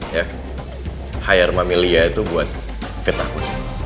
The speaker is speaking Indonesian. ya hire mami lia itu buat fitnahku